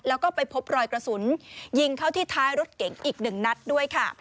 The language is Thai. แล้วก็ไปพบรอยกระสุนยิงเข้าที่ท้ายรถเก๋งอีกหนึ่งนัดด้วยค่ะ